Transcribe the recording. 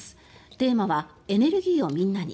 テーマは「エネルギーをみんなに」。